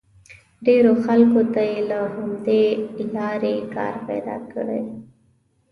ډېرو خلکو ته یې له همدې لارې کار پیدا کړی.